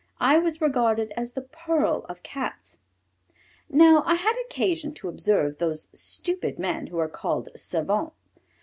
I was regarded as the pearl of Cats. Now I had occasion to observe those stupid men who are called savants.